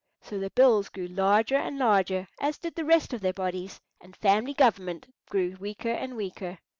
So their bills grew larger and larger, as did the rest of their bodies, and family government grew weaker and weaker.